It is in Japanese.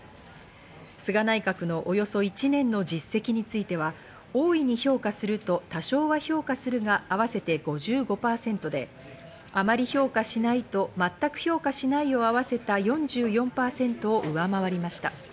菅内閣のおよそ１年の実績については、大いに評価すると、多少は評価するが合わせて５５％で、あまり評価しないと、全く評価しないは合わせた４４％を上回りました。